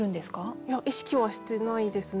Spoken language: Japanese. いや意識はしてないですね。